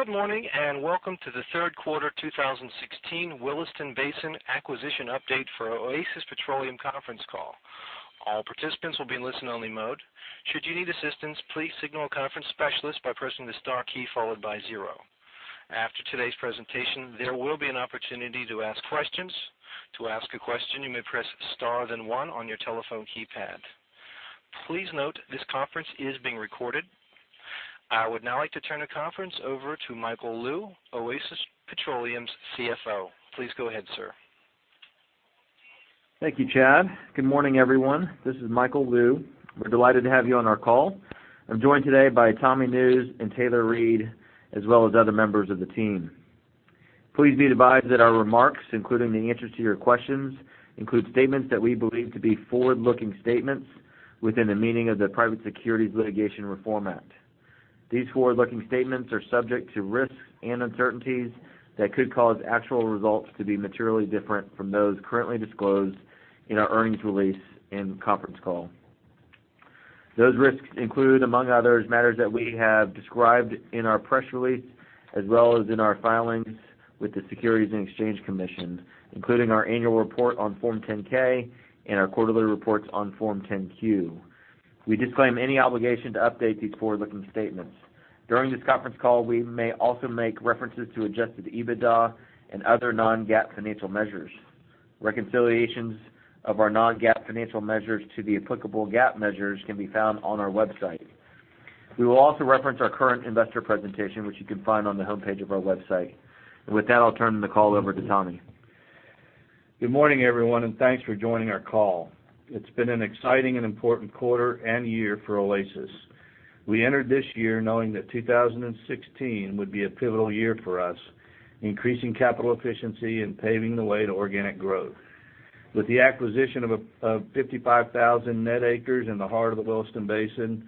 Good morning, welcome to the third quarter 2016 Williston Basin acquisition update for Oasis Petroleum conference call. All participants will be in listen-only mode. Should you need assistance, please signal a conference specialist by pressing the star key followed by 0. After today's presentation, there will be an opportunity to ask questions. To ask a question, you may press star then 1 on your telephone keypad. Please note this conference is being recorded. I would now like to turn the conference over to Michael Lou, Oasis Petroleum's CFO. Please go ahead, sir. Thank you, Chad. Good morning, everyone. This is Michael Lou. We're delighted to have you on our call. I'm joined today by Tommy Nusz and Taylor Reid, as well as other members of the team. Please be advised that our remarks, including the answers to your questions, include statements that we believe to be forward-looking statements within the meaning of the Private Securities Litigation Reform Act. These forward-looking statements are subject to risks and uncertainties that could cause actual results to be materially different from those currently disclosed in our earnings release and conference call. Those risks include, among others, matters that we have described in our press release, as well as in our filings with the Securities and Exchange Commission, including our annual report on Form 10-K and our quarterly reports on Form 10-Q. We disclaim any obligation to update these forward-looking statements. During this conference call, we may also make references to adjusted EBITDA and other non-GAAP financial measures. Reconciliations of our non-GAAP financial measures to the applicable GAAP measures can be found on our website. With that, I'll turn the call over to Tommy. Good morning, everyone, and thanks for joining our call. It's been an exciting and important quarter and year for Oasis. We entered this year knowing that 2016 would be a pivotal year for us, increasing capital efficiency and paving the way to organic growth. With the acquisition of 55,000 net acres in the heart of the Williston Basin,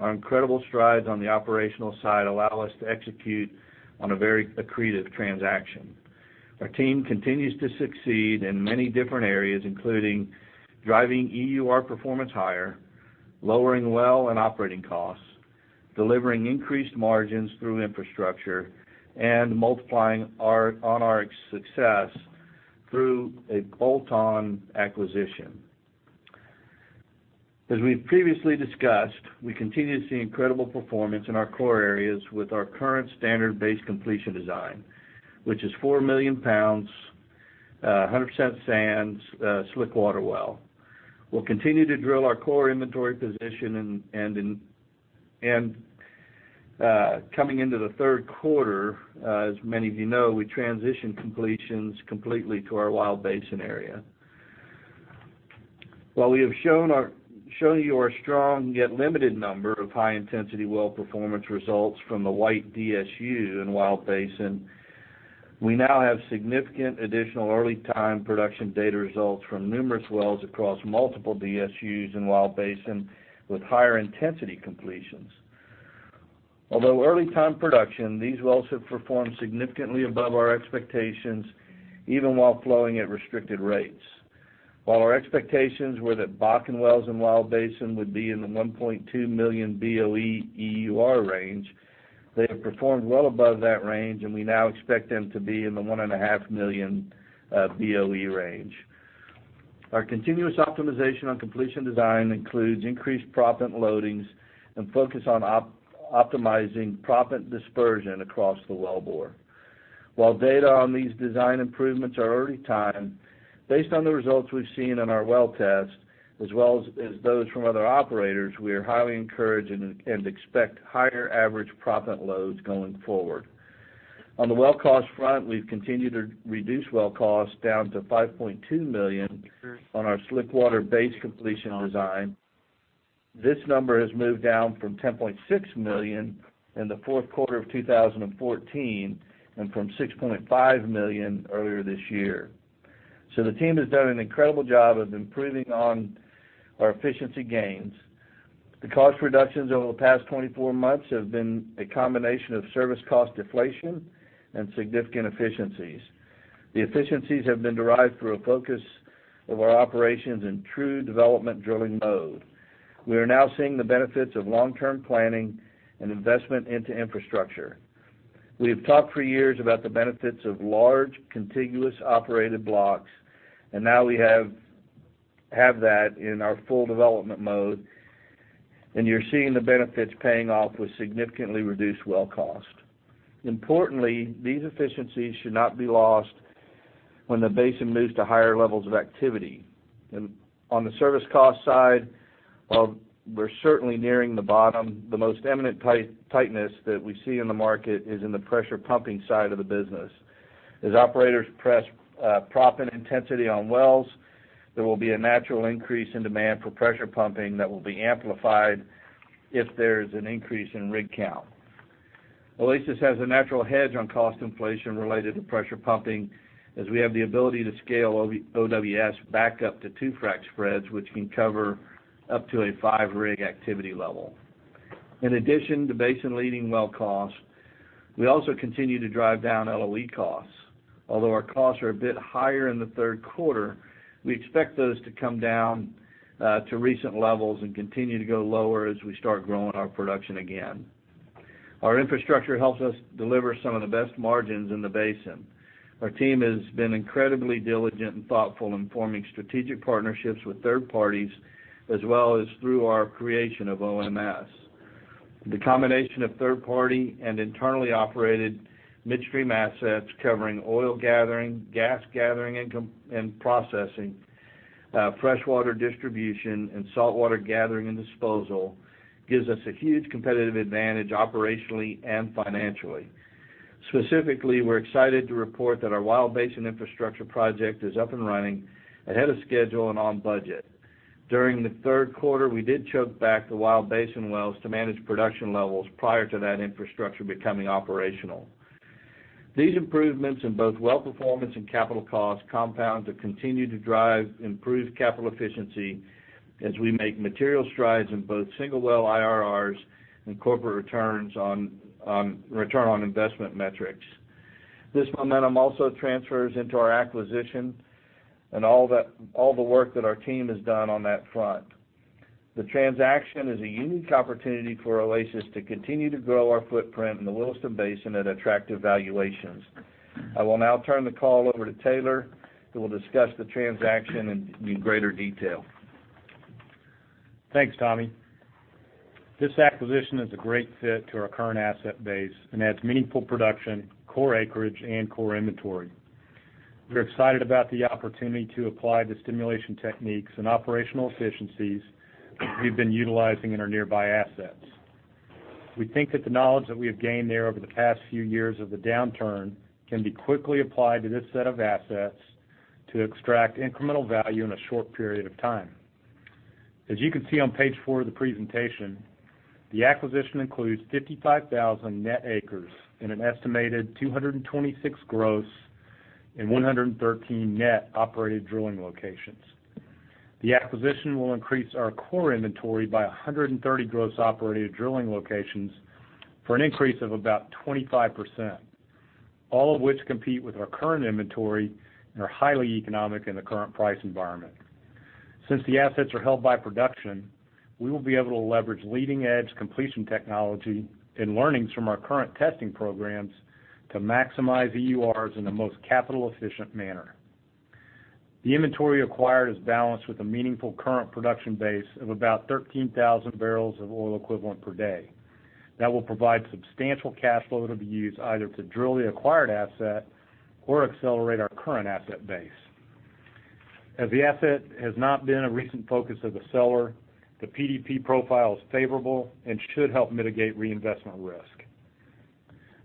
our incredible strides on the operational side allow us to execute on a very accretive transaction. Our team continues to succeed in many different areas, including driving EUR performance higher, lowering well and operating costs, delivering increased margins through infrastructure, and multiplying on our success through a bolt-on acquisition. As we've previously discussed, we continue to see incredible performance in our core areas with our current standard base completion design, which is 4 million pounds, 100% sands, slick water well. We'll continue to drill our core inventory position. Coming into the third quarter, as many of you know, we transitioned completions completely to our Wild Basin area. While we have shown you our strong yet limited number of high-intensity well performance results from the White DSU in Wild Basin, we now have significant additional early-time production data results from numerous wells across multiple DSUs in Wild Basin with higher intensity completions. Although early-time production, these wells have performed significantly above our expectations, even while flowing at restricted rates. While our expectations were that Bakken wells in Wild Basin would be in the 1.2 million BOE EUR range, they have performed well above that range. We now expect them to be in the 1.5 million BOE range. Our continuous optimization on completion design includes increased proppant loadings and focus on optimizing proppant dispersion across the wellbore. While data on these design improvements are early time, based on the results we've seen on our well tests, as well as those from other operators, we are highly encouraged and expect higher average proppant loads going forward. On the well cost front, we've continued to reduce well cost down to $5.2 million on our slick water base completion design. This number has moved down from $10.6 million in the fourth quarter of 2014, and from $6.5 million earlier this year. The team has done an incredible job of improving on our efficiency gains. The cost reductions over the past 24 months have been a combination of service cost deflation and significant efficiencies. The efficiencies have been derived through a focus of our operations in true development drilling mode. We are now seeing the benefits of long-term planning and investment into infrastructure. We have talked for years about the benefits of large contiguous operated blocks. Now we have that in our full development mode, and you're seeing the benefits paying off with significantly reduced well cost. Importantly, these efficiencies should not be lost when the basin moves to higher levels of activity. On the service cost side, we're certainly nearing the bottom. The most imminent tightness that we see in the market is in the pressure pumping side of the business. As operators press proppant intensity on wells, there will be a natural increase in demand for pressure pumping that will be amplified if there's an increase in rig count. Oasis has a natural hedge on cost inflation related to pressure pumping, as we have the ability to scale OWS back up to two frac spreads, which can cover up to a five-rig activity level. In addition to basin-leading well cost, we also continue to drive down LOE costs. Although our costs are a bit higher in the third quarter, we expect those to come down to recent levels and continue to go lower as we start growing our production again. Our infrastructure helps us deliver some of the best margins in the basin. Our team has been incredibly diligent and thoughtful in forming strategic partnerships with third parties, as well as through our creation of OMS. The combination of third-party and internally operated midstream assets, covering oil gathering, gas gathering and processing, freshwater distribution, and saltwater gathering and disposal, gives us a huge competitive advantage operationally and financially. Specifically, we're excited to report that our Wild Basin infrastructure project is up and running ahead of schedule and on budget. During the third quarter, we did choke back the Wild Basin wells to manage production levels prior to that infrastructure becoming operational. These improvements in both well performance and capital costs compound to continue to drive improved capital efficiency as we make material strides in both single well IRRs and corporate returns on return on investment metrics. This momentum also transfers into our acquisition and all the work that our team has done on that front. The transaction is a unique opportunity for Oasis to continue to grow our footprint in the Williston Basin at attractive valuations. I will now turn the call over to Taylor, who will discuss the transaction in greater detail. Thanks, Tommy. This acquisition is a great fit to our current asset base and adds meaningful production, core acreage, and core inventory. We're excited about the opportunity to apply the stimulation techniques and operational efficiencies that we've been utilizing in our nearby assets. We think that the knowledge that we have gained there over the past few years of the downturn can be quickly applied to this set of assets to extract incremental value in a short period of time. As you can see on page four of the presentation, the acquisition includes 55,000 net acres in an estimated 226 gross and 113 net operated drilling locations. The acquisition will increase our core inventory by 130 gross operated drilling locations for an increase of about 25%, all of which compete with our current inventory and are highly economic in the current price environment. Since the assets are held by production, we will be able to leverage leading-edge completion technology and learnings from our current testing programs to maximize EURs in the most capital-efficient manner. The inventory acquired is balanced with a meaningful current production base of about 13,000 barrels of oil equivalent per day. That will provide substantial cash flow that'll be used either to drill the acquired asset or accelerate our current asset base. As the asset has not been a recent focus of the seller, the PDP profile is favorable and should help mitigate reinvestment risk.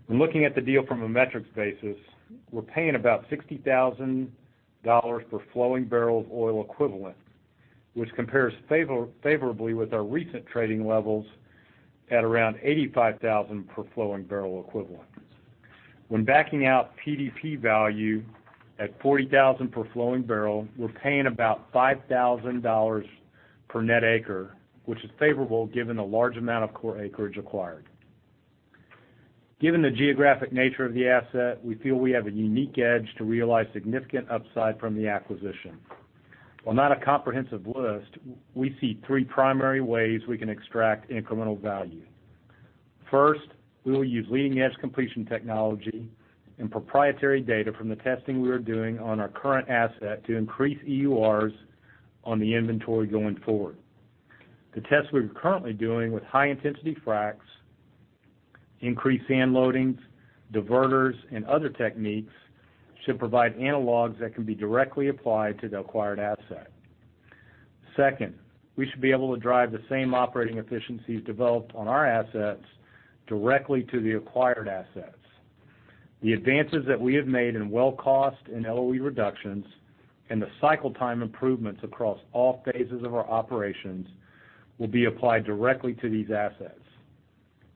When looking at the deal from a metrics basis, we're paying about $60,000 per flowing barrel of oil equivalent, which compares favorably with our recent trading levels at around $85,000 per flowing barrel equivalent. When backing out PDP value at $40,000 per flowing barrel, we're paying about $5,000 per net acre, which is favorable given the large amount of core acreage acquired. Given the geographic nature of the asset, we feel we have a unique edge to realize significant upside from the acquisition. While not a comprehensive list, we see three primary ways we can extract incremental value. First, we will use leading-edge completion technology and proprietary data from the testing we are doing on our current asset to increase EURs on the inventory going forward. The tests we are currently doing with high-intensity fracs, increased sand loadings, diverters, and other techniques should provide analogs that can be directly applied to the acquired asset. Second, we should be able to drive the same operating efficiencies developed on our assets directly to the acquired assets. The advances that we have made in well cost and LOE reductions and the cycle time improvements across all phases of our operations will be applied directly to these assets.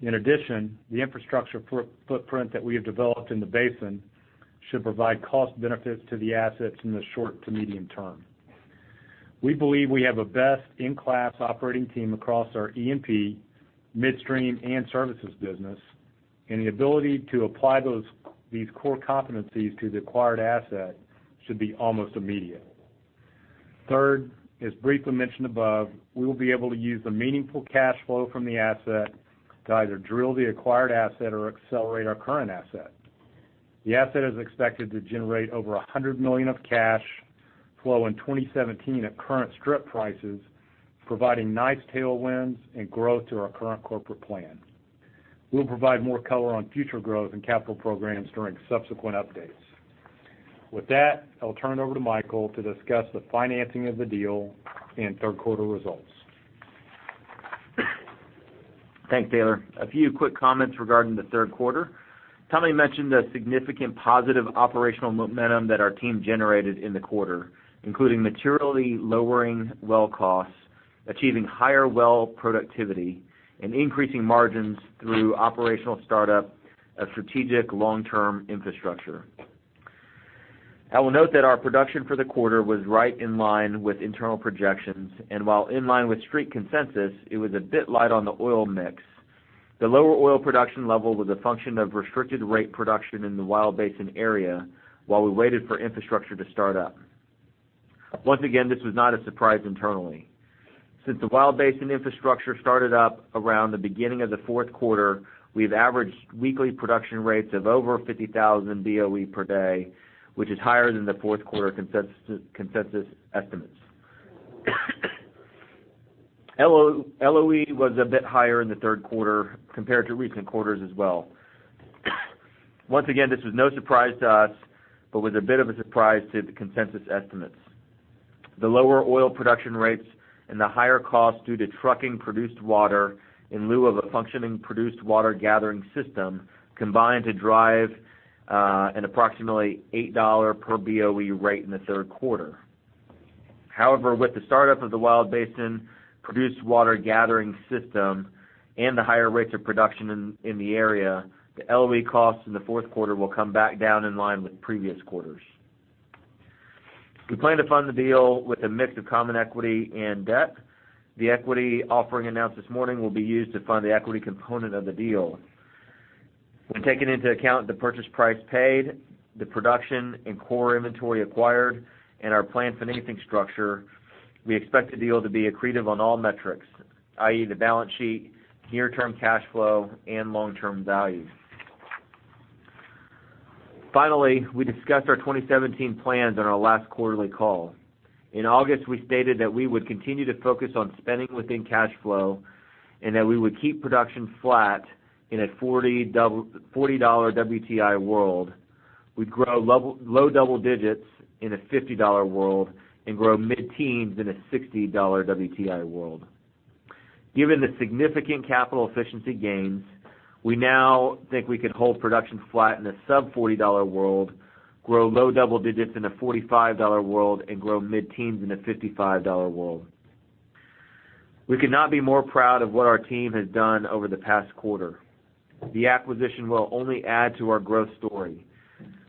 In addition, the infrastructure footprint that we have developed in the basin should provide cost benefits to the assets in the short to medium term. We believe we have a best-in-class operating team across our E&P, midstream, and services business, and the ability to apply these core competencies to the acquired asset should be almost immediate. Third, as briefly mentioned above, we will be able to use the meaningful cash flow from the asset to either drill the acquired asset or accelerate our current asset. The asset is expected to generate over $100 million of cash flow in 2017 at current strip prices, providing nice tailwinds and growth to our current corporate plan. We'll provide more color on future growth and capital programs during subsequent updates. With that, I'll turn it over to Michael to discuss the financing of the deal and third quarter results. Thanks, Taylor. A few quick comments regarding the third quarter. Tommy mentioned the significant positive operational momentum that our team generated in the quarter, including materially lowering well costs, achieving higher well productivity, and increasing margins through operational startup of strategic long-term infrastructure. I will note that our production for the quarter was right in line with internal projections, and while in line with Street consensus, it was a bit light on the oil mix. The lower oil production level was a function of restricted rate production in the Wild Basin area while we waited for infrastructure to start up. Once again, this was not a surprise internally. Since the Wild Basin infrastructure started up around the beginning of the fourth quarter, we've averaged weekly production rates of over 50,000 BOE per day, which is higher than the fourth quarter consensus estimates. LOE was a bit higher in the third quarter compared to recent quarters as well. Once again, this was no surprise to us, but was a bit of a surprise to the consensus estimates. The lower oil production rates and the higher cost due to trucking produced water in lieu of a functioning produced water gathering system, combined to drive an approximately $8 per BOE rate in the third quarter. However, with the startup of the Wild Basin produced water gathering system and the higher rates of production in the area, the LOE costs in the fourth quarter will come back down in line with previous quarters. We plan to fund the deal with a mix of common equity and debt. The equity offering announced this morning will be used to fund the equity component of the deal. When taking into account the purchase price paid, the production and core inventory acquired, and our planned financing structure, we expect the deal to be accretive on all metrics, i.e., the balance sheet, near-term cash flow, and long-term value. Finally, we discussed our 2017 plans on our last quarterly call. In August, we stated that we would continue to focus on spending within cash flow and that we would keep production flat in a $40 WTI world. We'd grow low double digits in a $50 world and grow mid-teens in a $60 WTI world. Given the significant capital efficiency gains, we now think we could hold production flat in a sub-$40 world, grow low double digits in a $45 world, and grow mid-teens in a $55 world. We could not be more proud of what our team has done over the past quarter. The acquisition will only add to our growth story.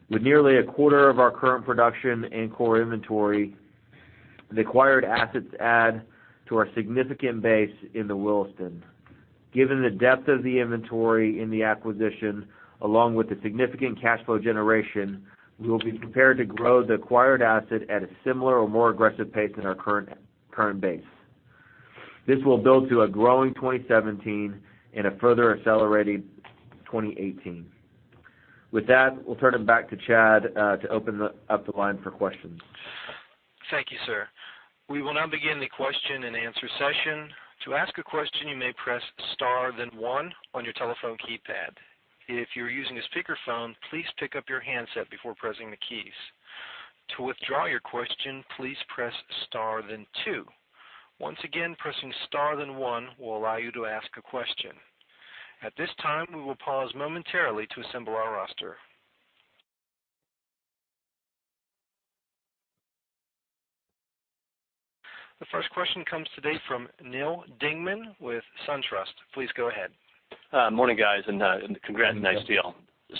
With nearly a quarter of our current production and core inventory, the acquired assets add to our significant base in the Williston. Given the depth of the inventory in the acquisition, along with the significant cash flow generation, we will be prepared to grow the acquired asset at a similar or more aggressive pace than our current base. This will build to a growing 2017 and a further accelerated 2018. We'll turn it back to Chad to open up the line for questions. Thank you, sir. We will now begin the question and answer session. To ask a question, you may press star then one on your telephone keypad. If you're using a speakerphone, please pick up your handset before pressing the keys. To withdraw your question, please press star then two. Pressing star then one will allow you to ask a question. At this time, we will pause momentarily to assemble our roster. The first question comes today from Neal Dingmann with SunTrust. Please go ahead. Morning, guys. Congrats. Nice deal.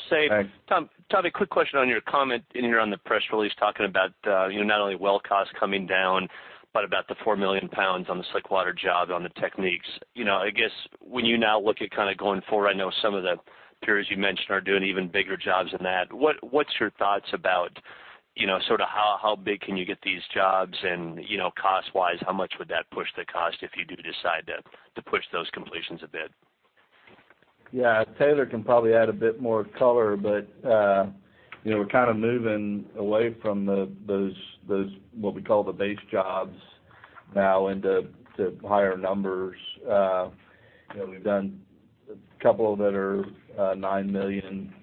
Thanks. Tommy, a quick question on your comment in here on the press release talking about not only well cost coming down, but about the 4 million pounds on the slick water job on the techniques. I guess when you now look at going forward, I know some of the peers you mentioned are doing even bigger jobs than that. What's your thoughts about how big can you get these jobs and, cost-wise, how much would that push the cost if you do decide to push those completions a bit? Yeah. Taylor can probably add a bit more color, but we're moving away from those, what we call the base jobs now into higher numbers. We've done a couple that are 9 million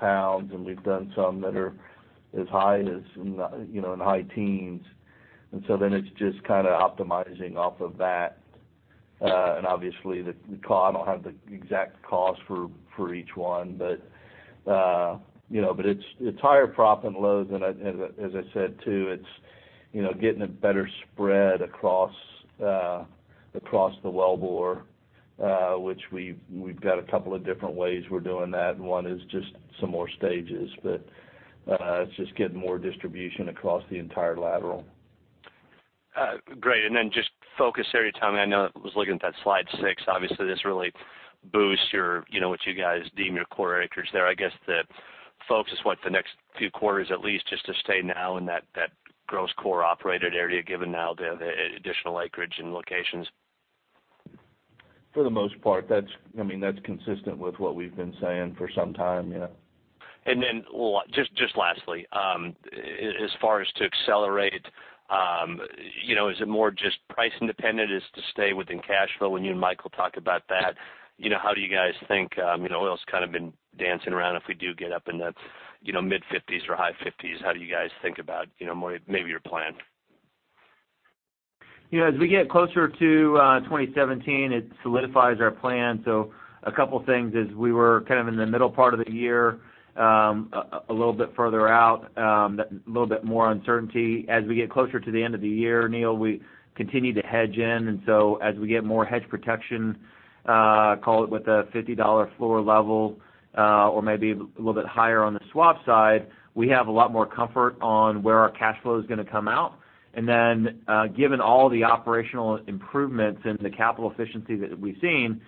pounds, and we've done some that are as high as in the high teens. It's just optimizing off of that. Obviously, I don't have the exact cost for each one, but it's higher proppant loads. As I said, too, it's getting a better spread across the wellbore, which we've got a couple of different ways we're doing that, and one is just some more stages. It's just getting more distribution across the entire lateral. Great. Just focus area, Tommy. I know I was looking at that slide six. Obviously, this really boosts what you guys deem your core acres there. I guess the focus is what, the next few quarters at least, just to stay now in that gross core operated area, given now the additional acreage and locations? For the most part. That's consistent with what we've been saying for some time. Yeah. Just lastly, as far as to accelerate, is it more just price independent, is to stay within cash flow? I know you and Michael Lou talked about that. How do you guys think? Oil's been dancing around. If we do get up in that mid-50s or high 50s, how do you guys think about maybe your plan? As we get closer to 2017, it solidifies our plan. A couple of things is we were in the middle part of the year, a little bit further out, a little bit more uncertainty. As we get closer to the end of the year, Neal Dingman, we continue to hedge in. As we get more hedge protection, call it with a $50 floor level or maybe a little bit higher on the swap side, we have a lot more comfort on where our cash flow is going to come out. Given all the operational improvements and the capital efficiency that we've seen,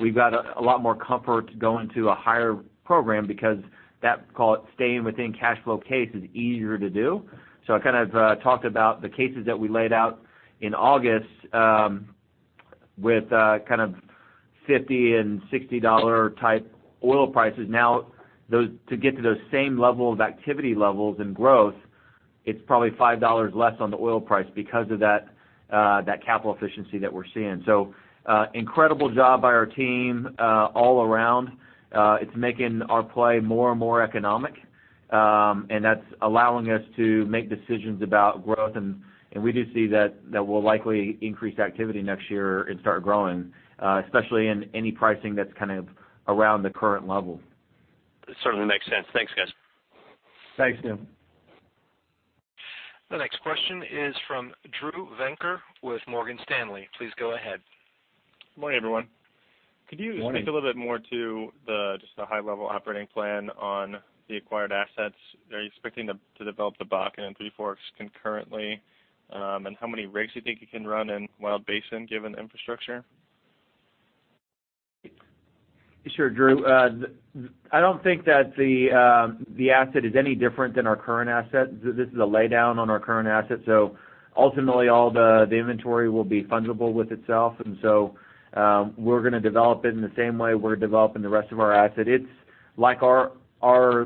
we've got a lot more comfort going to a higher program because that, call it, staying within cash flow case is easier to do. I talked about the cases that we laid out in August with kind of $50 and $60 type oil prices now, to get to those same level of activity levels and growth, it's probably $5 less on the oil price because of that capital efficiency that we're seeing. Incredible job by our team all around. It's making our play more and more economic, and that's allowing us to make decisions about growth. We do see that we'll likely increase activity next year and start growing, especially in any pricing that's around the current level. That certainly makes sense. Thanks, guys. Thanks, Jim. The next question is from Drew Venker with Morgan Stanley. Please go ahead. Morning, everyone. Morning. Could you speak a little bit more to just the high-level operating plan on the acquired assets? Are you expecting to develop the Bakken and Three Forks concurrently? How many rigs do you think you can run in Wild Basin, given infrastructure? Sure, Drew. I don't think that the asset is any different than our current asset. This is a laydown on our current asset. Ultimately, all the inventory will be fungible with itself. We're going to develop it in the same way we're developing the rest of our asset. It's like our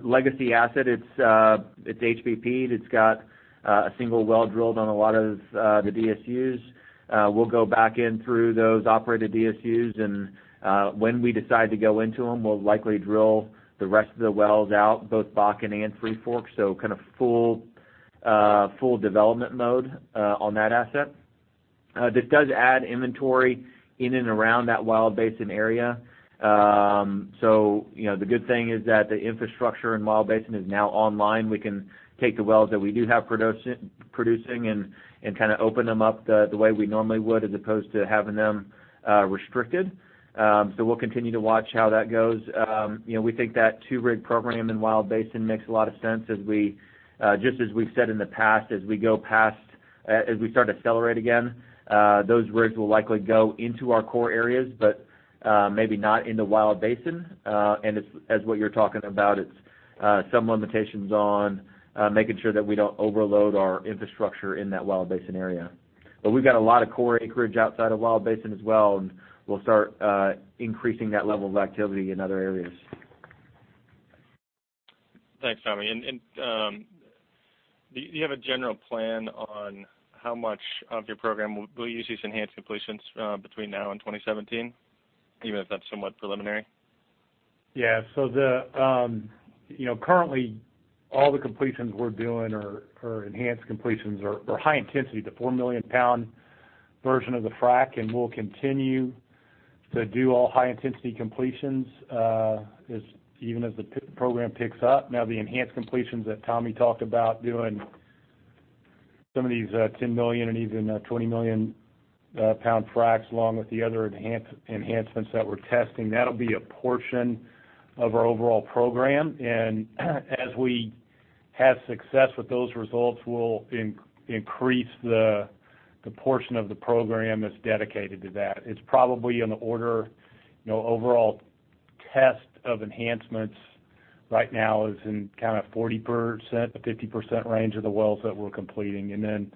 legacy asset. It's HBP'd. It's got a single well drilled on a lot of the DSUs. We'll go back in through those operated DSUs, and when we decide to go into them, we'll likely drill the rest of the wells out, both Bakken and Three Forks. Kind of full development mode on that asset. This does add inventory in and around that Wild Basin area. The good thing is that the infrastructure in Wild Basin is now online. We can take the wells that we do have producing and open them up the way we normally would, as opposed to having them restricted. We'll continue to watch how that goes. We think that two-rig program in Wild Basin makes a lot of sense. Just as we've said in the past, as we start to accelerate again, those rigs will likely go into our core areas, but maybe not into Wild Basin. As what you're talking about, it's some limitations on making sure that we don't overload our infrastructure in that Wild Basin area. We've got a lot of core acreage outside of Wild Basin as well, and we'll start increasing that level of activity in other areas. Thanks, Tommy. Do you have a general plan on how much of your program will use these enhanced completions between now and 2017, even if that's somewhat preliminary? Yeah. Currently, all the completions we're doing are enhanced completions or high intensity, the 4-million-pound version of the frac, we'll continue to do all high-intensity completions even as the program picks up. Now, the enhanced completions that Tommy talked about doing, some of these 10 million and even 20-million-pound fracs, along with the other enhancements that we're testing, that'll be a portion of our overall program. As we have success with those results, we'll increase the portion of the program that's dedicated to that. It's probably on the order, overall test of enhancements right now is in kind of 40%-50% range of the wells that we're completing. As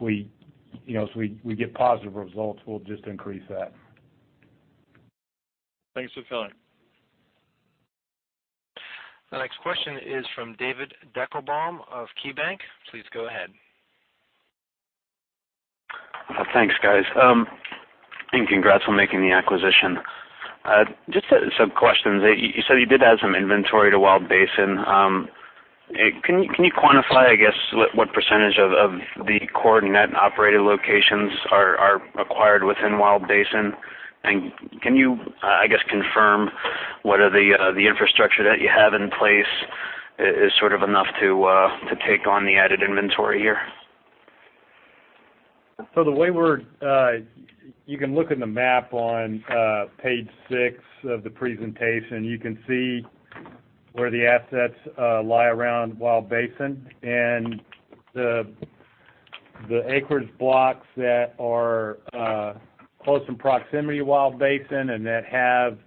we get positive results, we'll just increase that. Thanks for the clarity. The next question is from David Deckelbaum of KeyBanc. Please go ahead. Thanks, guys. Congrats on making the acquisition. Just some questions. You said you did add some inventory to Wild Basin. Can you quantify, I guess, what percentage of the core net operated locations are acquired within Wild Basin? Can you, I guess, confirm whether the infrastructure that you have in place is sort of enough to take on the added inventory here? You can look in the map on page six of the presentation. You can see where the assets lie around Wild Basin. The acreage blocks that are close in proximity to Wild Basin and that have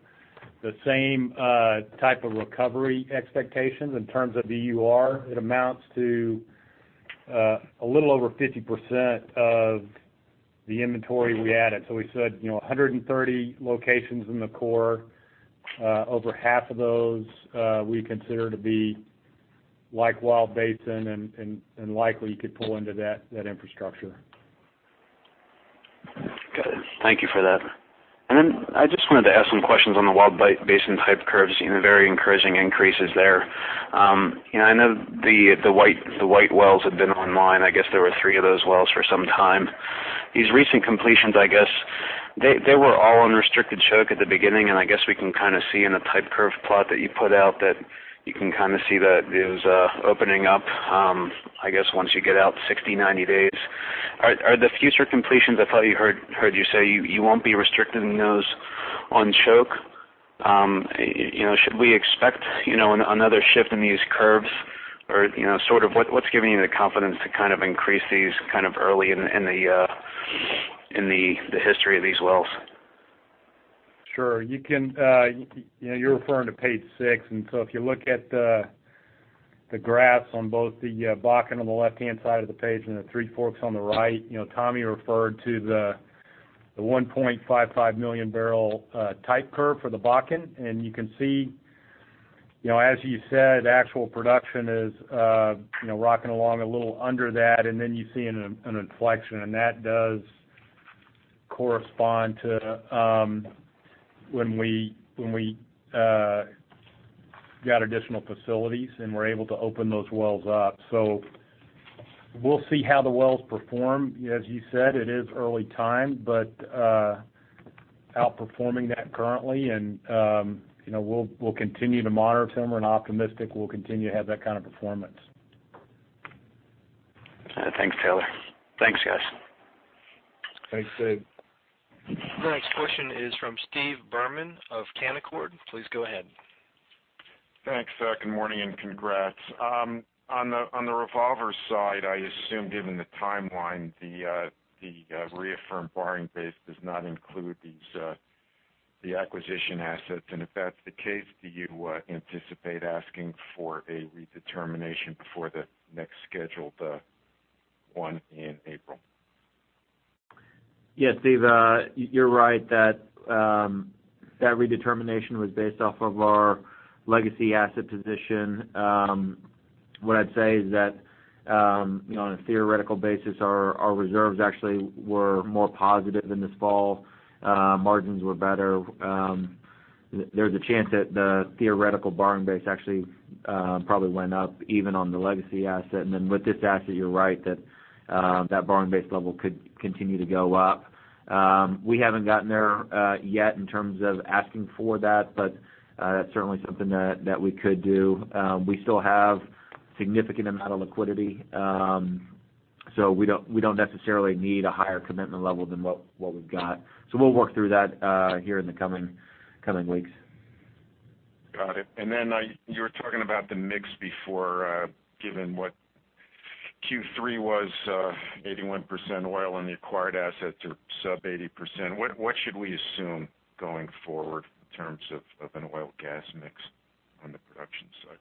the same type of recovery expectations in terms of the EUR, it amounts to a little over 50% of the inventory we added. We said, 130 locations in the core. Over half of those we consider to be like Wild Basin and likely could pull into that infrastructure. Got it. Thank you for that. I just wanted to ask some questions on the Wild Basin type curves, seeing the very encouraging increases there. I know the White wells have been online. I guess there were three of those wells for some time. These recent completions, I guess, they were all on restricted choke at the beginning, and I guess we can see in the type curve plot that you put out that you can see that it was opening up, I guess, once you get out 60, 90 days. Are the future completions, I thought I heard you say you won't be restricting those on choke. Should we expect another shift in these curves? Or what's giving you the confidence to increase these early in the history of these wells? Sure. You're referring to page six. If you look at the graphs on both the Bakken on the left-hand side of the page and the Three Forks on the right, Tommy referred to the 1.55 million barrel type curve for the Bakken. You can see, as you said, actual production is rocking along a little under that, and then you see an inflection, and that does correspond to when we got additional facilities and were able to open those wells up. We'll see how the wells perform. As you said, it is early time, but outperforming that currently and we'll continue to monitor them. We're optimistic we'll continue to have that kind of performance. Thanks, Taylor. Thanks, guys. Thanks, Dave. The next question is from Steve Berman of Canaccord. Please go ahead. Thanks. Good morning and congrats. On the revolver side, I assume given the timeline, the reaffirmed borrowing base does not include the acquisition assets. If that's the case, do you anticipate asking for a redetermination before the next scheduled one in April? Yes, Steve, you're right that redetermination was based off of our legacy asset position. What I'd say is that on a theoretical basis, our reserves actually were more positive in this fall. Margins were better. There's a chance that the theoretical borrowing base actually probably went up even on the legacy asset. Then with this asset, you're right that borrowing base level could continue to go up. We haven't gotten there yet in terms of asking for that, but that's certainly something that we could do. We still have significant amount of liquidity, we don't necessarily need a higher commitment level than what we've got. We'll work through that here in the coming weeks. Got it. Then you were talking about the mix before, given what Q3 was 81% oil and the acquired assets are sub 80%. What should we assume going forward in terms of an oil gas mix on the production side?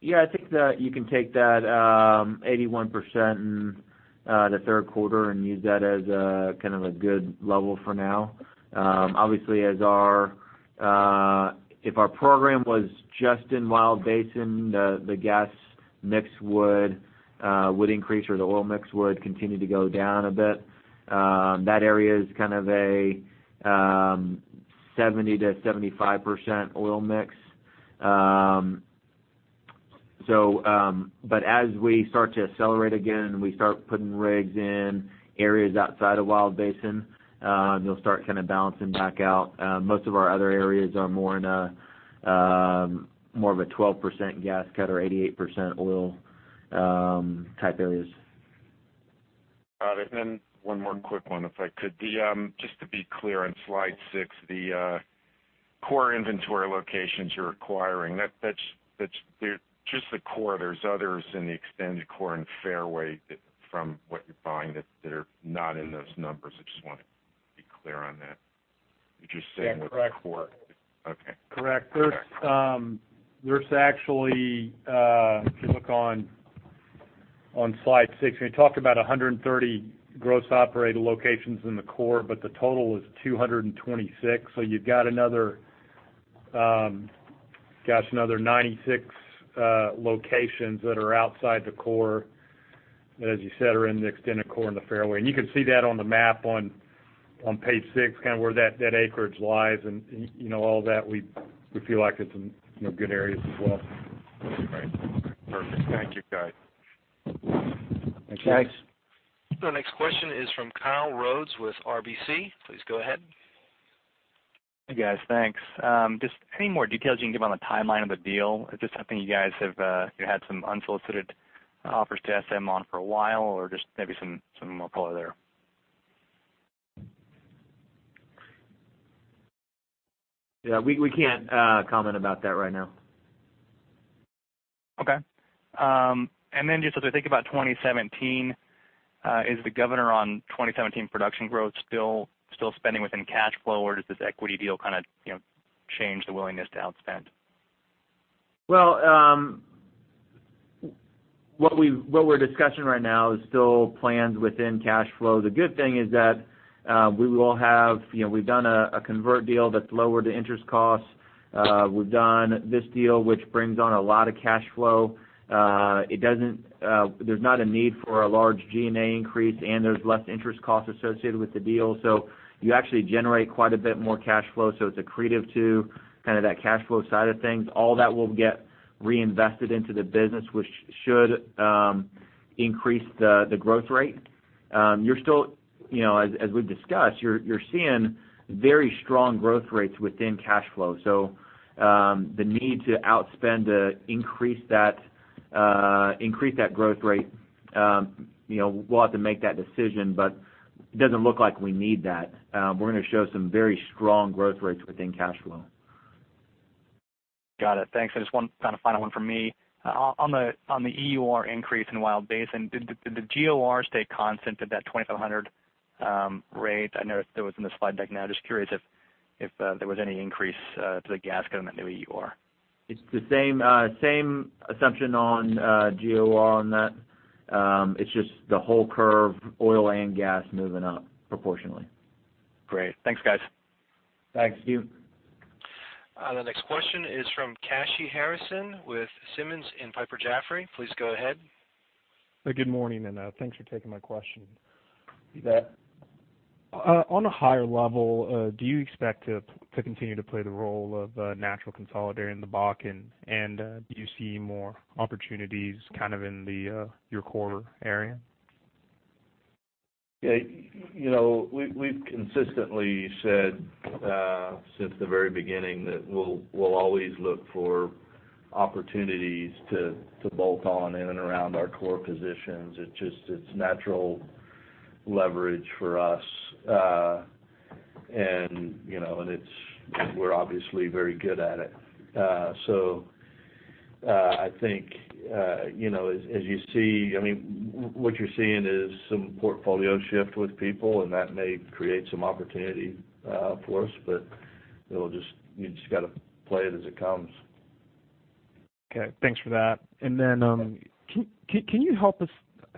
Yeah, I think that you can take that 81% in the third quarter and use that as a good level for now. Obviously, if our program was just in Wild Basin, the gas mix would increase or the oil mix would continue to go down a bit. That area is kind of a 70%-75% oil mix. As we start to accelerate again, we start putting rigs in areas outside of Wild Basin, they'll start balancing back out. Most of our other areas are more of a 12% gas cut or 88% oil type areas. Got it. One more quick one, if I could. Just to be clear on slide six, the core inventory locations you're acquiring, that's just the core. There's others in the extended core and fairway that from what you're buying that are not in those numbers. I just want to be clear on that. You're just saying that the core- Yeah. Correct. Okay. Correct. Okay. If you look on slide six, we talked about 130 gross operated locations in the core, but the total is 226. You've got another 96 locations that are outside the core. As you said, are in the extended core in the fairway. You can see that on the map on page six, where that acreage lies and all that. We feel like it's in good areas as well. Great. Perfect. Thank you, guys. Thanks. The next question is from Kyle Rhodes with RBC. Please go ahead. Hey, guys. Thanks. Just any more details you can give on the timeline of the deal? Is this something you guys have had some unsolicited offers to SM on for a while, or just maybe some more color there? Yeah. We can't comment about that right now. Okay. Just as I think about 2017, is the governor on 2017 production growth still spending within cash flow, or does this equity deal change the willingness to outspend? Well, what we're discussing right now is still planned within cash flow. The good thing is that we've done a convert deal that's lowered the interest cost. We've done this deal, which brings on a lot of cash flow. There's not a need for a large G&A increase, and there's less interest costs associated with the deal. You actually generate quite a bit more cash flow. It's accretive to that cash flow side of things. All that will get reinvested into the business, which should increase the growth rate. As we've discussed, you're seeing very strong growth rates within cash flow. The need to outspend to increase that growth rate, we'll have to make that decision, but it doesn't look like we need that. We're going to show some very strong growth rates within cash flow. Got it. Thanks. Just one final one from me. On the EUR increase in Wild Basin, did the GOR stay constant at that 2,500 rate? I noticed that was in the slide deck. Just curious if there was any increase to the gas component, that EUR. It's the same assumption on GOR on that. It's just the whole curve, oil and gas moving up proportionally. Great. Thanks, guys. Thanks. See you. The next question is from Kashi Harrison with Simmons & Piper Jaffray. Please go ahead. Good morning, and thanks for taking my question. You bet. On a higher level, do you expect to continue to play the role of a natural consolidator in the Bakken? Do you see more opportunities in your core area? Yeah. We've consistently said since the very beginning that we'll always look for opportunities to bolt on in and around our core positions. It's natural leverage for us. We're obviously very good at it. I think what you're seeing is some portfolio shift with people, and that may create some opportunity for us, but you just got to play it as it comes. Okay. Thanks for that. Can you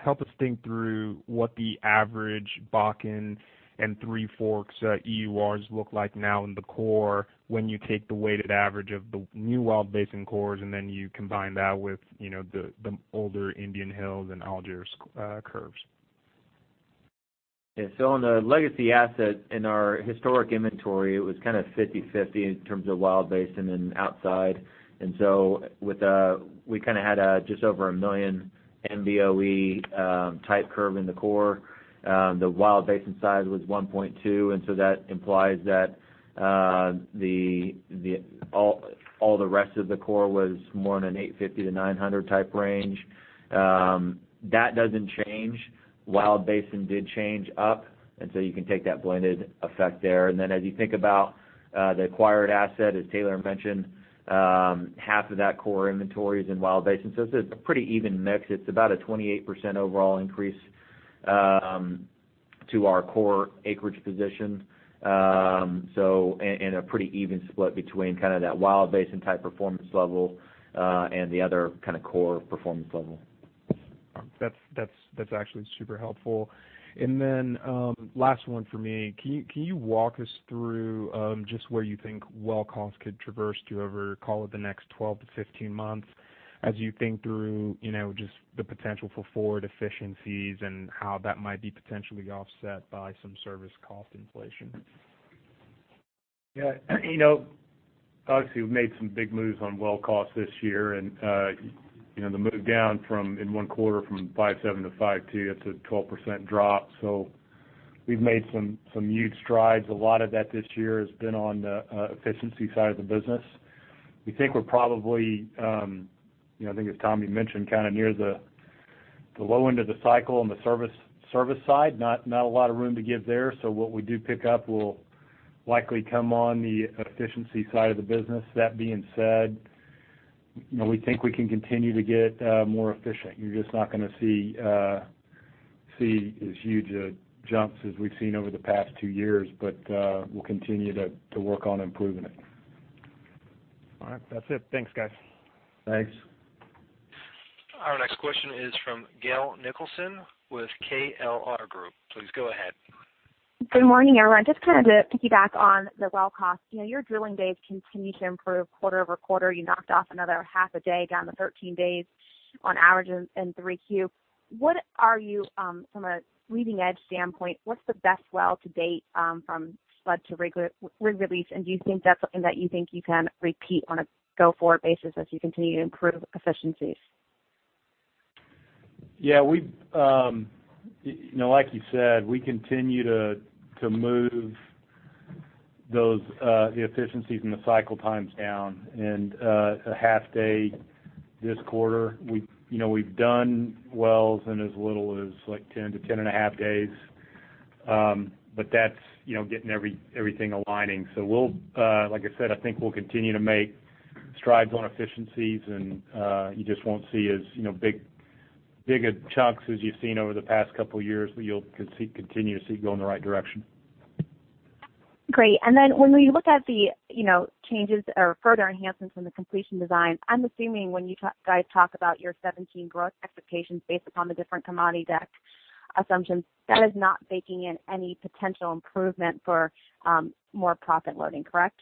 help us think through what the average Bakken and Three Forks EURs look like now in the core when you take the weighted average of the new Wild Basin cores, and then you combine that with the older Indian Hills and Alger curves? Yeah. On the legacy asset in our historic inventory, it was kind of 50/50 in terms of Wild Basin and outside. We had just over 1 million MBOE type curve in the core. The Wild Basin side was 1.2, and that implies that all the rest of the core was more in an 850-900 type range. That doesn't change. Wild Basin did change up, and you can take that blended effect there. Then as you think about the acquired asset, as Taylor mentioned, half of that core inventory is in Wild Basin. It's a pretty even mix. It's about a 28% overall increase to our core acreage position. A pretty even split between that Wild Basin type performance level, and the other kind of core performance level. That's actually super helpful. Then last one for me. Can you walk us through just where you think well costs could traverse to over, call it, the next 12-15 months as you think through just the potential for forward efficiencies and how that might be potentially offset by some service cost inflation? Yeah. Obviously, we've made some big moves on well cost this year, and the move down in one quarter from $5.7 to $5.2, that's a 12% drop. We've made some huge strides. A lot of that this year has been on the efficiency side of the business. We think we're probably, I think as Tommy mentioned, near the low end of the cycle on the service side. Not a lot of room to give there. What we do pick up will likely come on the efficiency side of the business. That being said, we think we can continue to get more efficient. You're just not going to see as huge jumps as we've seen over the past two years, but we'll continue to work on improving it. All right. That's it. Thanks, guys. Thanks. Our next question is from Gail Nicholson with KLR Group. Please go ahead. Good morning, everyone. Just to piggyback on the well cost. Your drilling days continue to improve quarter-over-quarter. You knocked off another half a day down to 13 days on average in 3Q. From a leading-edge standpoint, what's the best well to date from spud to rig release? Do you think that's something that you think you can repeat on a go-forward basis as you continue to improve efficiencies? Yeah. Like you said, we continue to move the efficiencies and the cycle times down, and a half day this quarter. We've done wells in as little as 10 to 10 and a half days. That's getting everything aligning. Like I said, I think we'll continue to make strides on efficiencies, you just won't see as big chunks as you've seen over the past couple of years, but you'll continue to see it go in the right direction. Great. When we look at the changes or further enhancements in the completion design, I'm assuming when you guys talk about your 2017 growth expectations based upon the different commodity deck assumptions, that is not baking in any potential improvement for more proppant loading, correct?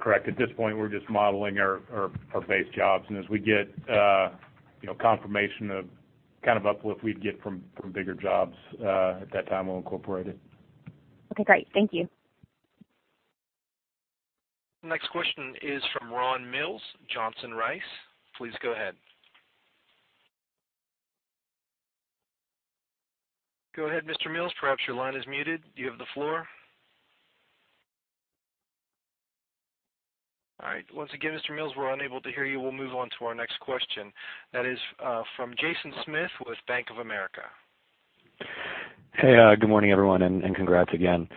Correct. At this point, we're just modeling our base jobs, and as we get confirmation of uplift we'd get from bigger jobs, at that time, we'll incorporate it. Great. Thank you. Next question is from Ron Mills, Johnson Rice. Please go ahead. Go ahead, Mr. Mills. Perhaps your line is muted. You have the floor. Once again, Mr. Mills, we're unable to hear you. We'll move on to our next question. That is from Jason Smith with Bank of America. Good morning, everyone, congrats again.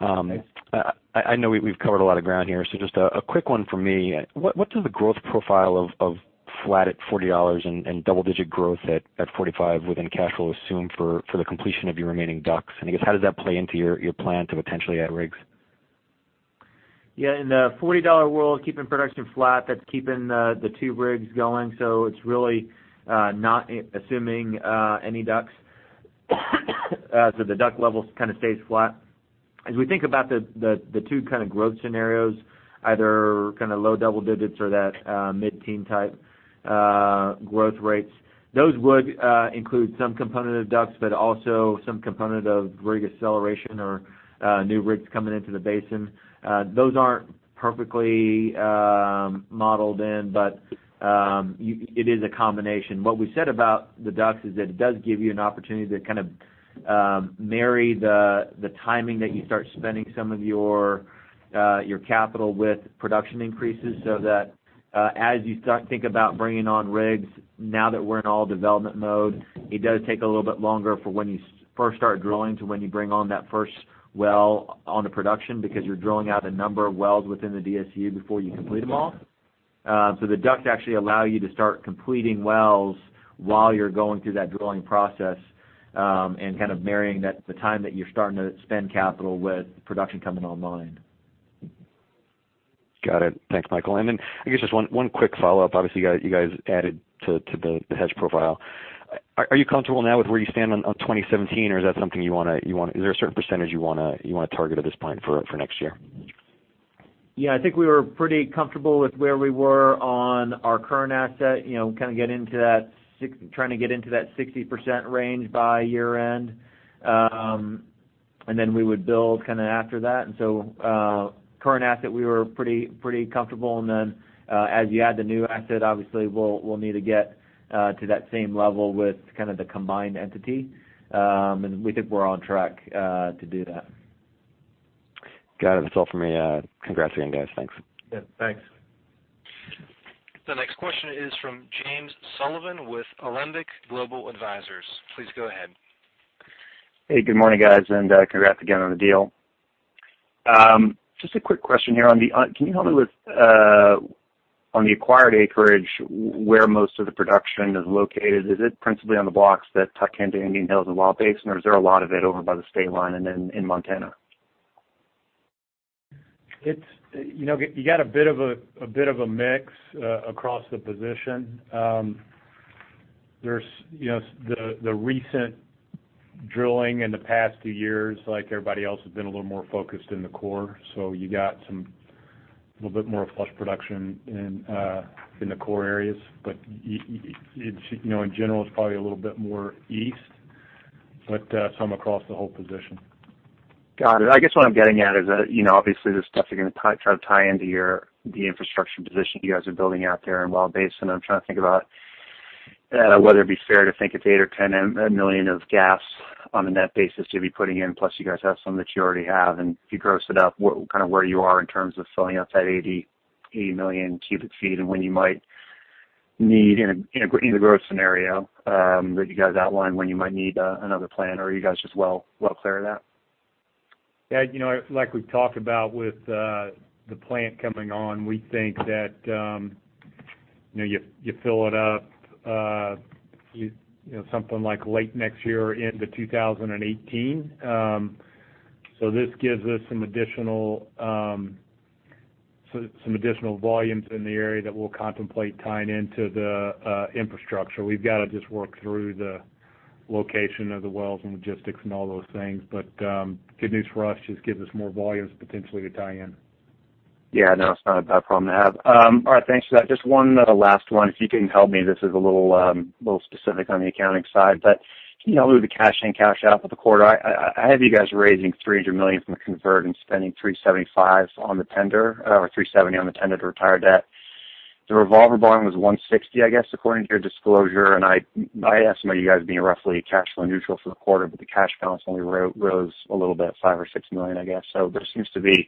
I know we've covered a lot of ground here, just a quick one for me. What does the growth profile of flat at $40 and double-digit growth at $45 within cash flow assume for the completion of your remaining DUCs? I guess, how does that play into your plan to potentially add rigs? Yeah, in the $40 world, keeping production flat, that's keeping the two rigs going. It's really not assuming any DUCs. The DUC level kind of stays flat. As we think about the two growth scenarios, either low double digits or that mid-teen type growth rates, those would include some component of DUCs, but also some component of rig acceleration or new rigs coming into the basin. Those aren't perfectly modeled in, but it is a combination. What we said about the DUCs is that it does give you an opportunity to marry the timing that you start spending some of your capital with production increases, that as you start to think about bringing on rigs, now that we're in all development mode, it does take a little bit longer for when you first start drilling to when you bring on that first well onto production, because you're drilling out a number of wells within the DSU before you complete them all. The DUCs actually allow you to start completing wells while you're going through that drilling process, and marrying the time that you're starting to spend capital with production coming online. Got it. Thanks, Michael. Then I guess just one quick follow-up. Obviously, you guys added to the hedge profile. Are you comfortable now with where you stand on 2017, or is there a certain percentage you want to target at this point for next year? Yeah, I think we were pretty comfortable with where we were on our current asset, trying to get into that 60% range by year-end. Then we would build after that. So current asset, we were pretty comfortable. Then, as you add the new asset, obviously we'll need to get to that same level with the combined entity. We think we're on track to do that. Got it. That's all for me. Congrats again, guys. Thanks. Yeah, thanks. The next question is from James Sullivan with Alembic Global Advisors. Please go ahead. Hey, good morning, guys. Congrats again on the deal. Just a quick question here. Can you help me with, on the acquired acreage, where most of the production is located? Is it principally on the blocks that tuck into Indian Hills and Wild Basin, or is there a lot of it over by the state line and then in Montana? You got a bit of a mix across the position. The recent drilling in the past few years, like everybody else, has been a little more focused in the core. You got a little bit more flush production in the core areas. In general, it's probably a little bit more east, but some across the whole position. Got it. I guess what I'm getting at is that, obviously, this stuff is going to try to tie into the infrastructure position you guys are building out there in Wild Basin. I'm trying to think about whether it'd be fair to think it's $8 million or $10 million of gaps on a net basis you'll be putting in, plus you guys have some that you already have. If you gross it up, where you are in terms of filling up that 80 million cubic feet and when you might need, in the growth scenario that you guys outlined, when you might need another plant, or are you guys just well clear of that? Yeah. Like we've talked about with the plant coming on, we think that you fill it up something like late next year or into 2018. This gives us some additional volumes in the area that we'll contemplate tying into the infrastructure. We've got to just work through the location of the wells and logistics and all those things. Good news for us, just gives us more volumes potentially to tie in. Yeah. No, it's not a bad problem to have. All right, thanks for that. Just one last one, if you can help me. This is a little specific on the accounting side, can you help me with the cash in, cash out for the quarter? I have you guys raising $300 million from the convert spending $370 on the tender to retire debt. The revolver borrowing was $160, I guess, according to your disclosure, I estimate you guys being roughly cash flow neutral for the quarter, the cash balance only rose a little bit, $5 million or $6 million, I guess. There seems to be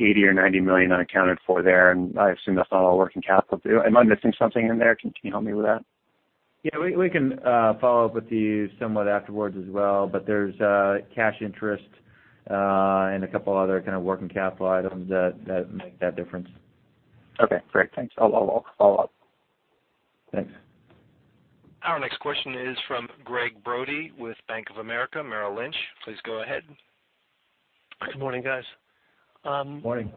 $80 million or $90 million unaccounted for there, I assume that's not all working capital. Am I missing something in there? Can you help me with that? Yeah, we can follow up with these somewhat afterwards as well. There's cash interest and a couple other working capital items that make that difference. Okay, great. Thanks. I'll follow up. Thanks. Our next question is from Gregg Brody with Bank of America Merrill Lynch. Please go ahead. Good morning, guys. Morning.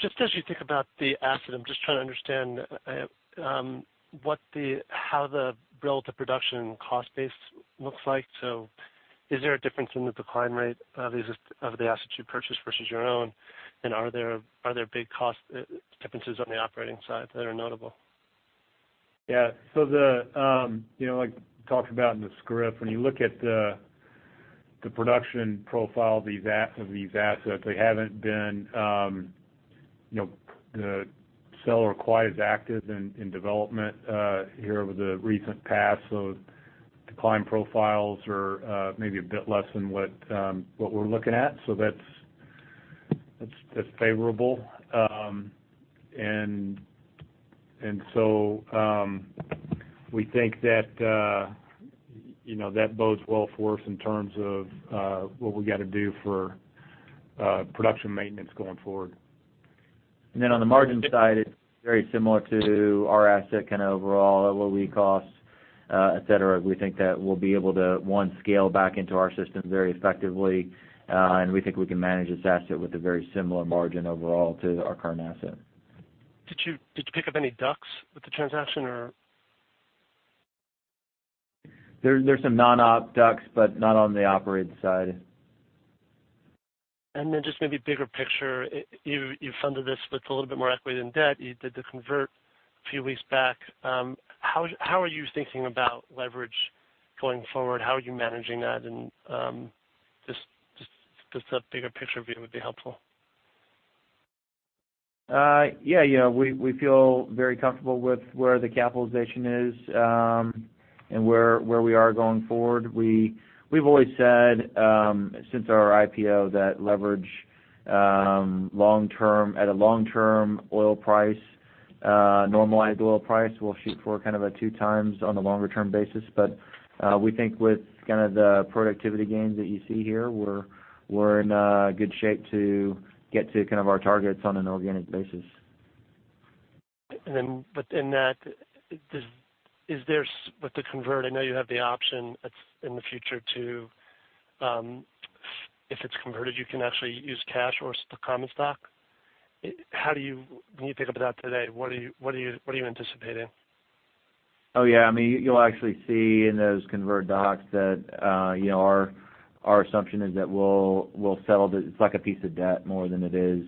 Just as you think about the asset, I'm just trying to understand how the relative production cost base looks like. Is there a difference in the decline rate of the assets you purchased versus your own? Are there big cost differences on the operating side that are notable? Yeah. Like we talked about in the script, when you look at the production profile of these assets, the seller wasn't quite as active in development here over the recent past. Decline profiles are maybe a bit less than what we're looking at. That's favorable. We think that bodes well for us in terms of what we got to do for production maintenance going forward. On the margin side, it's very similar to our asset kind of overall, oil rig costs, et cetera. We think that we'll be able to, one, scale back into our system very effectively, and we think we can manage this asset with a very similar margin overall to our current asset. Did you pick up any DUCs with the transaction or? There's some non-op DUCs, but not on the operated side. Just maybe bigger picture, you funded this with a little bit more equity than debt. You did the convert a few weeks back. How are you thinking about leverage going forward? How are you managing that? Just a bigger picture view would be helpful. Yeah. We feel very comfortable with where the capitalization is, and where we are going forward. We've always said, since our IPO, that leverage at a long-term oil price, normalized oil price, we'll shoot for kind of a 2x on a longer-term basis. We think with kind of the productivity gains that you see here, we're in good shape to get to kind of our targets on an organic basis. Within that, with the convert, I know you have the option in the future to If it's converted, you can actually use cash or common stock. When you think about that today, what are you anticipating? Oh, yeah. You'll actually see in those convert docs that our assumption is that it's like a piece of debt more than it is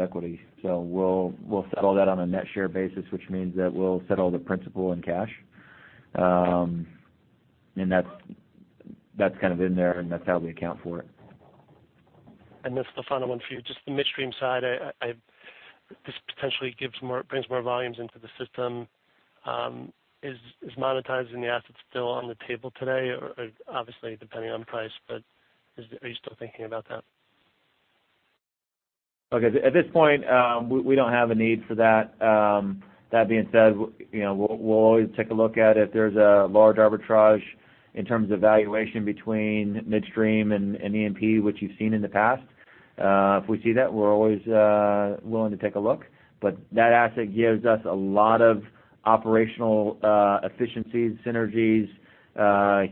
equity. We'll settle that on a net share basis, which means that we'll settle the principal in cash. That's kind of in there, and that's how we account for it. This is the final one for you, just the midstream side. This potentially brings more volumes into the system. Is monetizing the assets still on the table today, obviously depending on price, but are you still thinking about that? Okay. At this point, we don't have a need for that. That being said, we'll always take a look at it if there's a large arbitrage in terms of valuation between midstream and E&P, which you've seen in the past. If we see that, we're always willing to take a look. That asset gives us a lot of operational efficiencies, synergies,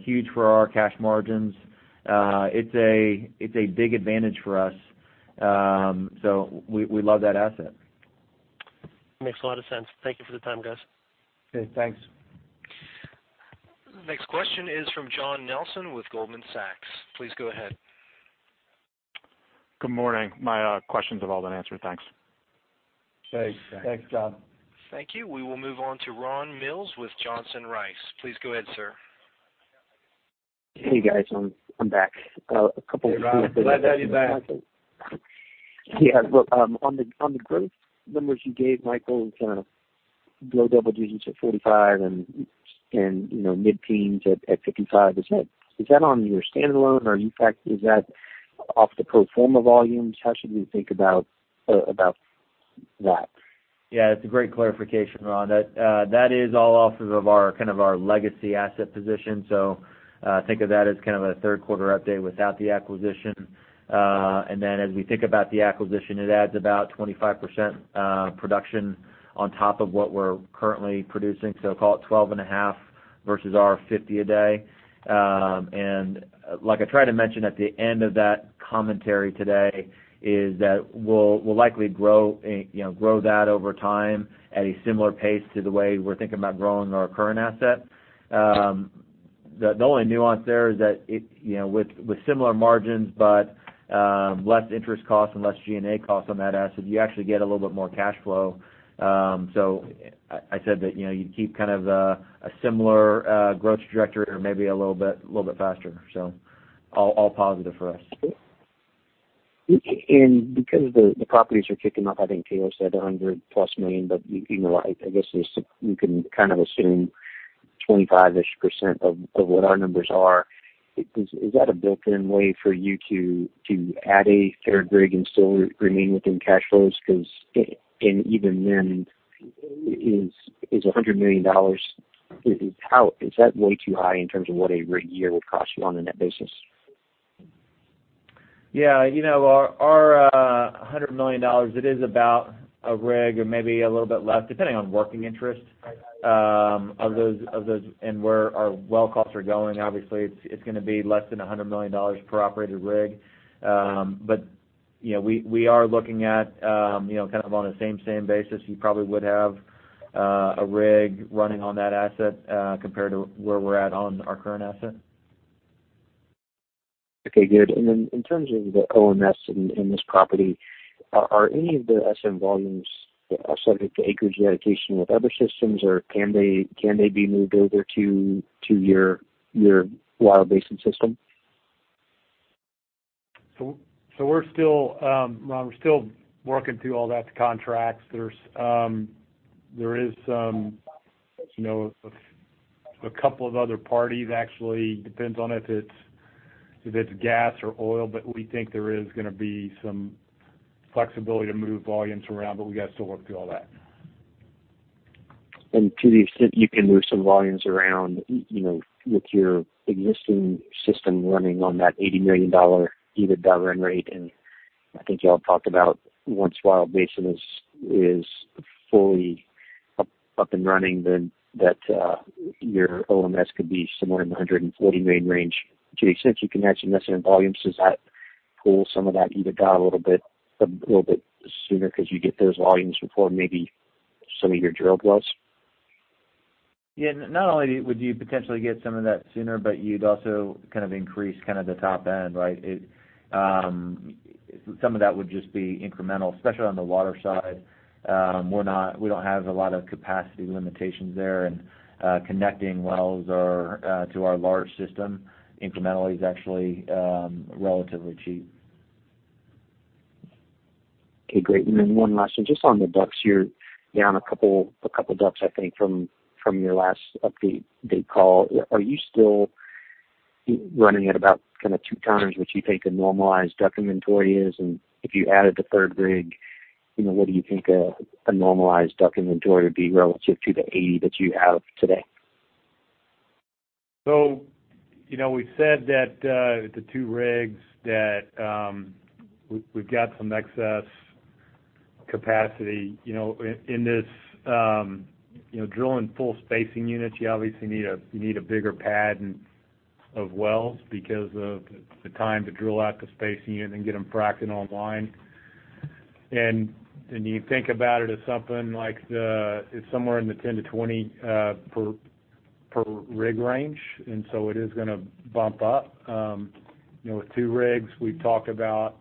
huge for our cash margins. It's a big advantage for us. We love that asset. Makes a lot of sense. Thank you for the time, guys. Okay, thanks. Next question is from John Nelson with Goldman Sachs. Please go ahead. Good morning. My questions have all been answered. Thanks. Thanks. Thanks, John. Thank you. We will move on to Ron Mills with Johnson Rice. Please go ahead, sir. Hey, guys. I'm back. Hey, Ron. Glad to have you back. Yeah. Well, on the growth numbers you gave, Michael, kind of low double digits at 45 and mid-teens at 55%, is that on your standalone, or in fact, is that off the pro forma volumes? How should we think about that? Yeah, it's a great clarification, Ron. That is all off of kind of our legacy asset position. Think of that as kind of a third quarter update without the acquisition. As we think about the acquisition, it adds about 25% production on top of what we're currently producing. Call it 12.5 versus our 50 a day. Like I tried to mention at the end of that commentary today, is that we'll likely grow that over time at a similar pace to the way we're thinking about growing our current asset. The only nuance there is that with similar margins, but less interest costs and less G&A costs on that asset, you actually get a little bit more cash flow. I said that you'd keep kind of a similar growth trajectory or maybe a little bit faster. All positive for us. Because the properties are kicking up, I think Taylor said $100-plus million, but I guess you can kind of assume 25-ish% of what our numbers are. Is that a built-in way for you to add a third rig and still remain within cash flows? Is $100 million, is that way too high in terms of what a rig year would cost you on a net basis? Yeah. Our $100 million, it is about a rig or maybe a little bit less, depending on working interest of those, and where our well costs are going. Obviously, it's going to be less than $100 million per operated rig. We are looking at kind of on a same-same basis. You probably would have a rig running on that asset compared to where we're at on our current asset. Okay, good. In terms of the OMS in this property, are any of the SM volumes subject to acreage dedication with other systems, or can they be moved over to your Wild Basin system? We're still working through all that, the contracts. There are a couple of other parties, actually. Depends on if it's gas or oil, but we think there is going to be some flexibility to move volumes around, but we've got to still work through all that. To the extent you can move some volumes around, with your existing system running on that $80 million EBITDA run rate, I think y'all talked about once Wild Basin is fully up and running, then your OMS could be somewhere in the $140 million range. To the extent you can actually invest in volumes, does that pull some of that EBITDA a little bit sooner because you get those volumes before maybe some of your drill wells? Yeah. Not only would you potentially get some of that sooner, but you'd also increase the top end, right? Some of that would just be incremental, especially on the water side. We don't have a lot of capacity limitations there, and connecting wells to our large system incrementally is actually relatively cheap. Okay, great. Then one last one. Just on the DUCs, you're down a couple of DUCs, I think, from your last update date call. Are you still running at about two times what you think a normalized DUC inventory is? If you added the third rig, what do you think a normalized DUC inventory would be relative to the 80 that you have today? We've said that with the two rigs, that we've got some excess capacity. In this drilling full spacing units, you obviously need a bigger pad of wells because of the time to drill out the spacing unit and get them fracked and online. It's somewhere in the 10-20 per rig range, and so it is going to bump up. With two rigs, we've talked about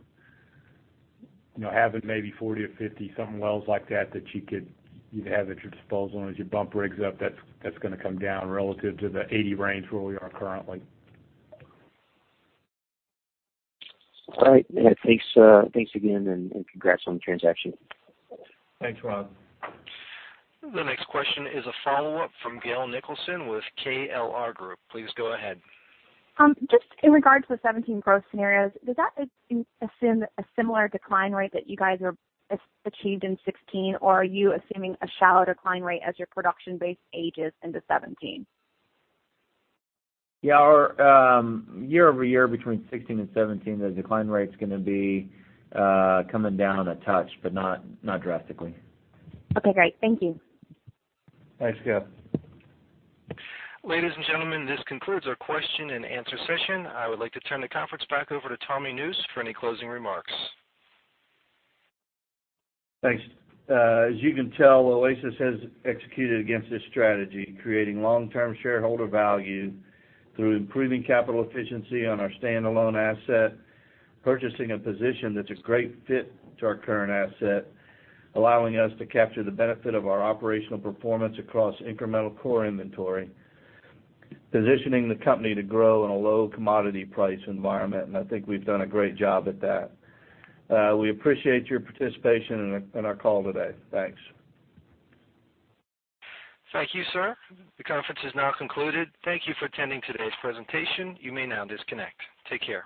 having maybe 40 or 50-something wells like that you'd have at your disposal. As you bump rigs up, that's going to come down relative to the 80 range where we are currently. All right. Thanks again, and congrats on the transaction. Thanks, Ron. The next question is a follow-up from Gail Nicholson with KLR Group. Please go ahead. Just in regards to the 2017 growth scenarios, does that assume a similar decline rate that you guys achieved in 2016, or are you assuming a shallow decline rate as your production base ages into 2017? Yeah. Our year-over-year between 2016 and 2017, the decline rate's going to be coming down a touch, not drastically. Okay, great. Thank you. Thanks, Gail. Ladies and gentlemen, this concludes our question and answer session. I would like to turn the conference back over to Tommy Nusz for any closing remarks. Thanks. As you can tell, Oasis has executed against this strategy, creating long-term shareholder value through improving capital efficiency on our standalone asset, purchasing a position that's a great fit to our current asset, allowing us to capture the benefit of our operational performance across incremental core inventory, positioning the company to grow in a low commodity price environment. I think we've done a great job at that. We appreciate your participation in our call today. Thanks. Thank you, sir. The conference is now concluded. Thank you for attending today's presentation. You may now disconnect. Take care.